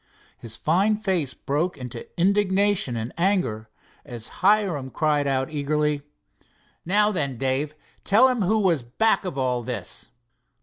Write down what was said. His fine face broke out into indignation and anger as Hiram cried out eagerly: "Now then, Dave, tell him who was back of all this."